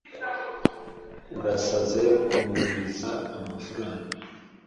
Urasaze kumuguriza amafaranga.